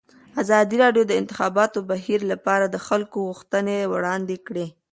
ازادي راډیو د د انتخاباتو بهیر لپاره د خلکو غوښتنې وړاندې کړي.